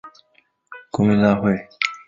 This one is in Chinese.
国民大会大明星小跟班